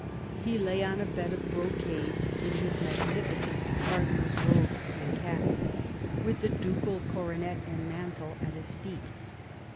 He lay on a bed of brocade in his magnificent Cardinal's robes and cap, with the ducal coronet and mantle at his feet.